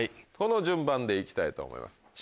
この順番で行きたいと思います。